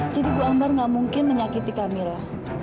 jadi bu ambar nggak mungkin menyakiti kamila